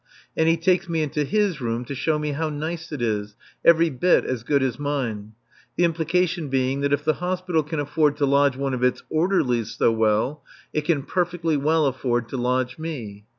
And he takes me into his room to show me how nice it is every bit as good as mine. The implication being that if the Hospital can afford to lodge one of its orderlies so well, it can perfectly well afford to lodge me.